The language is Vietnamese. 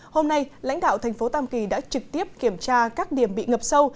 hôm nay lãnh đạo thành phố tam kỳ đã trực tiếp kiểm tra các điểm bị ngập sâu